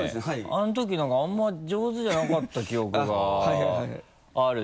あのとき何かあんまり上手じゃなかった記憶があるし。